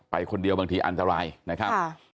ไปคนเดียวบางทีอันตรายนะครับ